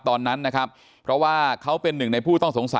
ตอนนั้นนะครับเพราะว่าเขาเป็นหนึ่งในผู้ต้องสงสัย